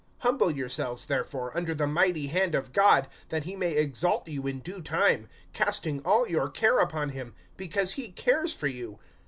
(6)Humble yourselves therefore under the mighty hand of God, that he may exalt you in due time; (7)casting all your care upon him, because he cares for you.